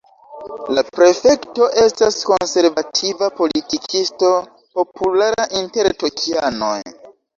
La prefekto estas konservativa politikisto populara inter tokianoj.